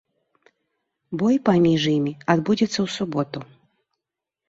Бой паміж імі адбудзецца ў суботу.